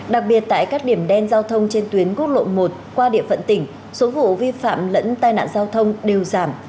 đặc biệt tại các điểm đen giao thông trên tuyến quốc lộ một qua địa phận tỉnh số vụ vi phạm lẫn tai nạn giao thông đều giảm